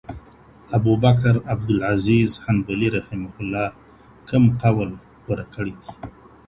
ابوبکر عبدالعزيز حنبلي رحمه الله کوم قول غوره کړی دی؟